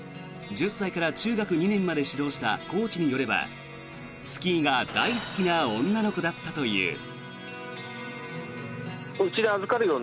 １０歳から中学２年まで指導したコーチによればスキーが大好きな女の子だったという。